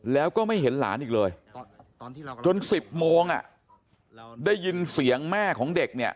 แล้วก็ไม่เห็นหลานอีกเลยจน๑๐โมงได้ยินเสียงแม่ของเด็กเนี่ย